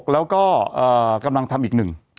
แล้วก็กำลังทำอีกหนึ่ง